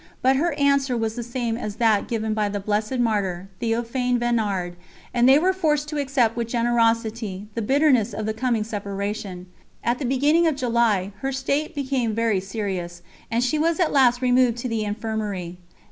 But her answer was the same as that given by the blessed Martyr, Théophane Vénard, and they were forced to accept with generosity the bitterness of the coming separation. At the beginning of July, her state became very serious, and she was at last removed to the Infirmary.